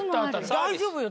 大丈夫よ。